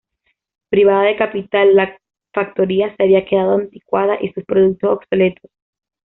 Privada de capital, la factoría se había quedado anticuada y sus productos obsoletos.